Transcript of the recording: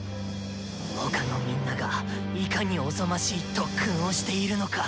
他のみんながいかにおぞましい特訓をしているのか。